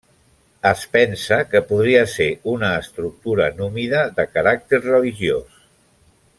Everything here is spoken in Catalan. Es pensa que podria ser una estructura númida de caràcter religiós.